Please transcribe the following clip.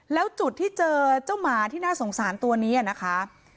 แล้วจุดที่เจอเจ้าหมาที่น่าสงสารตัวนี้นะคะ